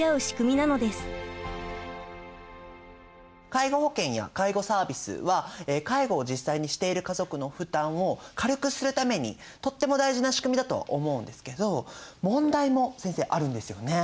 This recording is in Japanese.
介護保険や介護サービスは介護を実際にしている家族の負担を軽くするためにとっても大事な仕組みだとは思うんですけど問題も先生あるんですよね？